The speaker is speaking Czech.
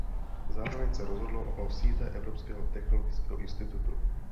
Zároveň se rozhodlo o sídle Evropského technologického institutu.